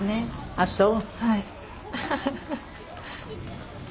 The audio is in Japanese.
あっそう！